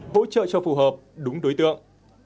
vỗ trợ cho phù hợp đúng đối tượng